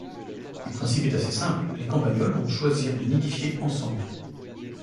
Le principe est assez simple: les campagnols vont choisir de nidifier ensemble.